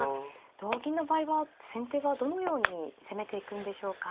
同銀の場合は先手はどのように攻めていくんでしょうか。